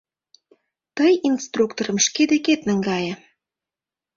Тый инструкторым шке декет наҥгае...